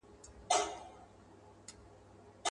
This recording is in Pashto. چي پر ځان دي وي پېرزو هغه پر بل سه »..